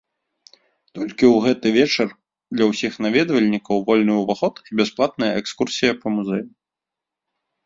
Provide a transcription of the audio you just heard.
Толькі ў гэты вечар для ўсіх наведвальнікаў вольны ўваход і бясплатная экскурсія па музею.